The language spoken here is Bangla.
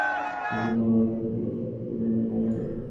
ওইখানে আমাদেরকে হেলিকপ্টার থেকে নামিয়ে দেয়।